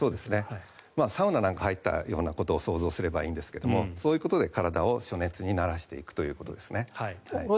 サウナなんかに入ったことを想像するといいんですがそういうことで体を暑熱に慣らしていくということです。